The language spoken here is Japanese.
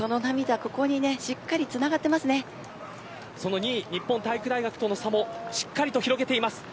ここに２位日本体育大学との差もしっかりて広げています。